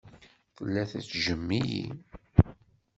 Tella tettejjem-iyi.